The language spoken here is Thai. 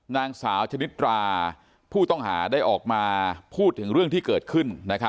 นางสาวชนิดราผู้ต้องหาได้ออกมาพูดถึงเรื่องที่เกิดขึ้น